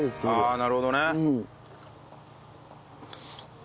ああなるほどね。